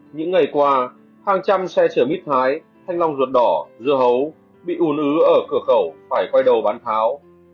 những ngày qua hàng trăm xe chở mít thái thanh long ruột đỏ dưa hấu bị un ứ ở cửa khẩu phải quay đầu bán tháo